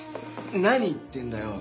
何言ってんだよ